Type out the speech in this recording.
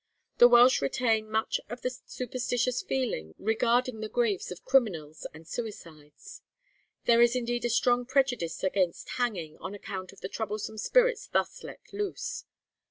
The Welsh retain much of the superstitious feeling regarding the graves of criminals and suicides. There is indeed a strong prejudice against hanging, on account of the troublesome spirits thus let loose.